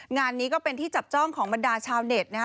งานนี้ก็เป็นที่จับจ้องของบรรดาชาวเน็ตนะฮะ